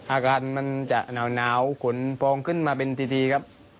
อากาศมันจะหนาวขนพองขึ้นมาเป็นทีครับ